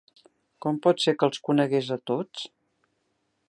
Com pot ser que els conegués a tots?